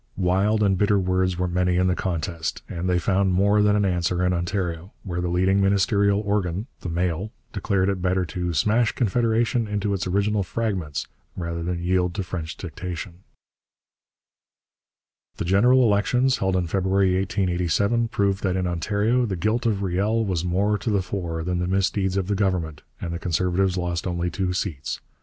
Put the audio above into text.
Wild and bitter words were many in the contest, and they found more than an answer in Ontario, where the leading ministerial organ, the Mail, declared it better to 'smash Confederation into its original fragments' rather than yield to French dictation. [Illustration: HONORÉ MERCIER From a photograph] The general elections, held in February 1887, proved that in Ontario the guilt of Riel was more to the fore than the misdeeds of the Government, and the Conservatives lost only two seats.